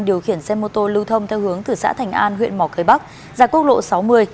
điều khiển xe mô tô lưu thông theo hướng từ xã thành an huyện mỏ cây bắc ra quốc lộ sáu mươi